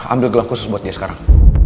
ambil gelang khusus buat dia sekarang